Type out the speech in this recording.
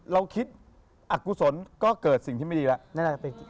เราคิดอักกุศลก็เกิดสิ่งที่ไม่ดีแล้ว